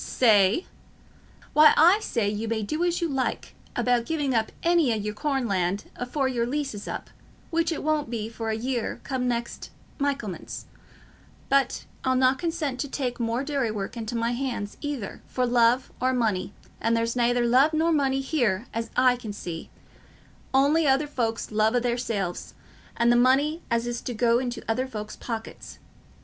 "Say? Why, I say you may do as you like about giving up any o' your corn land afore your lease is up, which it won't be for a year come next Michaelmas, but I'll not consent to take more dairy work into my hands, either for love or money; and there's nayther love nor money here, as I can see, on'y other folks's love o' theirselves, and the money as is to go into other folks's pockets.